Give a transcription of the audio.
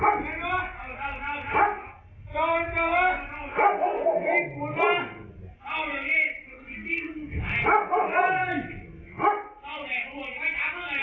อองเจ็บพื้นมันเจ็บเวลโชว์ชิคกี้พายด้วยนะครับเวลเกิดอะไรขึ้นนายประมาวุฒนะฮะเกิดอะไรขึ้นนายประมาวุฒนะฮะ